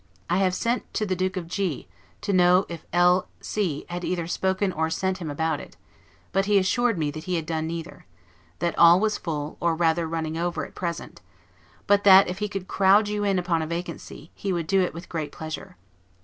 I have sent to the D of G , to know if L C had either spoken or sent to him about it; but he assured me that he had done neither; that all was full, or rather running over, at present; but that, if he could crowd you in upon a vacancy, he would do it with great pleasure.